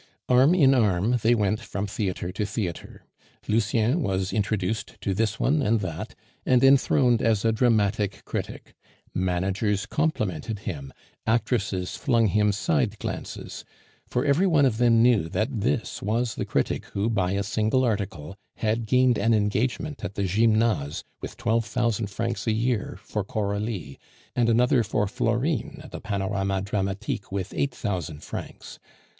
Arm in arm, they went from theatre to theatre. Lucien was introduced to this one and that, and enthroned as a dramatic critic. Managers complimented him, actresses flung him side glances; for every one of them knew that this was the critic who, by a single article, had gained an engagement at the Gymnase, with twelve thousand francs a year, for Coralie, and another for Florine at the Panorama Dramatique with eight thousand francs.